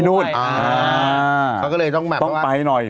ดูไว้เค้าก็เลยต้องแบบต้องไปหน่อย